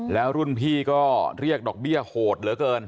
แล้วรุ่นพี่ก็เรียกดอกเบี้ยโหดเหลือเกิน